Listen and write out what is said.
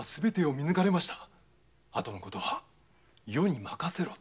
「あとのことは余に任せろ」と。